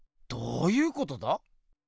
どういうことだ？